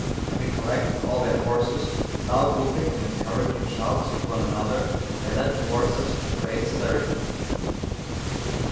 Having collected all their forces, with loud whooping and encouraging shouts to one another, they led towards us with great celerity.